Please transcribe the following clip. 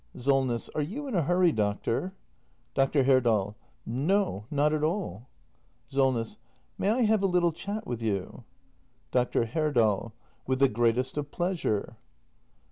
Solness. Are you in a hurry, doctor ? Dr. Herdal. No, not at all. Solness. May I have a little chat with you ? Dr. Herdal. "With the greatest of pleasure.